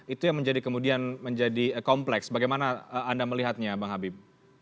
itu yang kemudian menjadi kompleks bagaimana anda melihatnya bang habib